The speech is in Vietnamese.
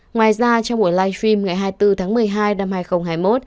ngoài ra trong buổi live stream ngày hai mươi bốn tháng một mươi hai năm hai nghìn hai mươi một